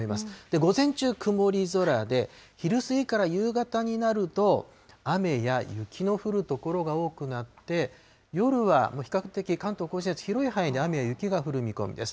午前中、曇り空で、昼過ぎから夕方になると、雨や雪の降る所が多くなって、夜は比較的、関東甲信越、広い範囲で雨や雪が降る見込みです。